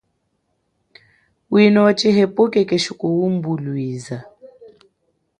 Wino wa tshihepuke keshi kuwimbulwiza.